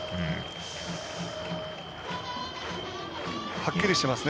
はっきりしてますね。